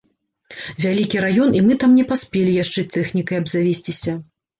Вялікі раён, і мы там не паспелі яшчэ тэхнікай абзавесціся.